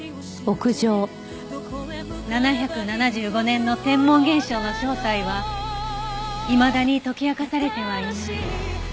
７７５年の天文現象の正体はいまだに解き明かされてはいない。